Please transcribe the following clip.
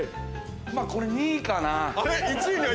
まぁ、これ２位かな。